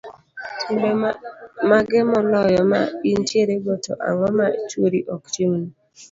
timbe mage moloyo ma intierego, to ang'o ma chuori ok timni?